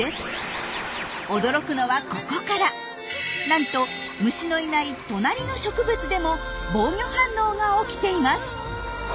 なんと虫のいない隣の植物でも防御反応が起きています！